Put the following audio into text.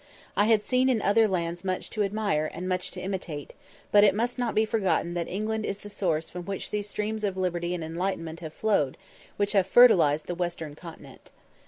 I had seen in other lands much to admire, and much to imitate; but it must not be forgotten that England is the source from which those streams of liberty and enlightenment have flowed which have fertilised the Western Continent.